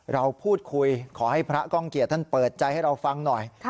เราพูดคุยขอให้พระก้องเกียจท่านเปิดใจให้เราฟังหน่อย